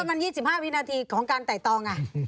มันต้องตอบได้เพราะมัน๒๕วินาทีของการไต่ตอง